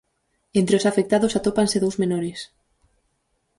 Entre os afectados atópanse dous menores.